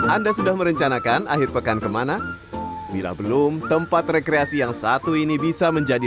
anda sudah merencanakan akhir pekan kemana bila belum tempat rekreasi yang satu ini bisa menjadi